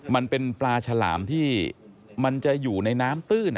มันเป็นปลาฉลามที่มันจะอยู่ในน้ำตื้น